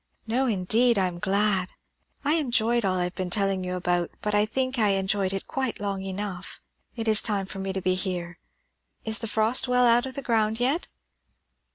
"No, indeed, I am glad. I enjoyed all I have been telling you about, but I think I enjoyed it quite long enough. It is time for me to be here. Is the frost well out of the ground yet?"